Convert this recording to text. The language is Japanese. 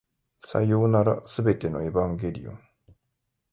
さようなら、全てのエヴァンゲリオン